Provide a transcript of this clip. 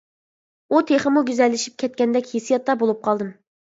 ئۇ تېخىمۇ گۈزەللىشىپ كەتكەندەك ھېسسىياتتا بولۇپ قالدىم.